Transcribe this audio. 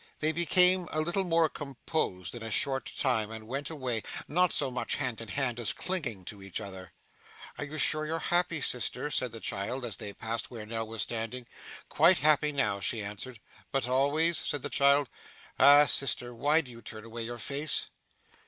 They became a little more composed in a short time, and went away, not so much hand in hand as clinging to each other. 'Are you sure you're happy, sister?' said the child as they passed where Nell was standing. 'Quite happy now,' she answered. 'But always?' said the child. 'Ah, sister, why do you turn away your face?